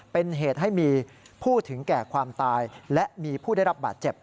เป็นเหตุให้มีผู้ถึงแก่ความตายและมีผู้ได้รับบาดเจ็บ